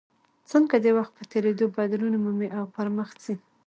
څنګه د وخت په تېرېدو بدلون مومي او پرمخ ځي.